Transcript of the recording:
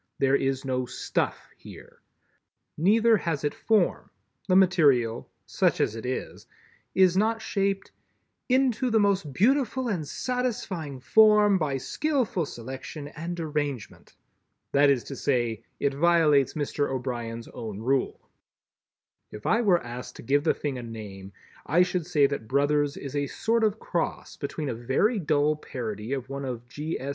There is no "stuff" here. Neither has it Form. The material—such as it is—is not shaped "into the most beautiful and satisfying form by skillful selection and arrangement." That is to say, it violates Mr. O'Brien's own rule. If I were asked to give the thing a name, I should say that "Brothers" is a sort of cross between a very dull parody of one of G. S.